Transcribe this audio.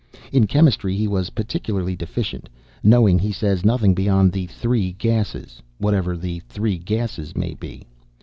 In chemistry he was particularly deficient, knowing, he says, nothing beyond the Three Gases (whatever the three gases may be).